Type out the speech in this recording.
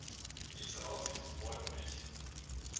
Diese Aussicht freut mich.